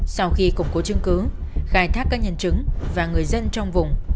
sau khi củng cố chứng cứ khai thác các nhân chứng và người dân trong vùng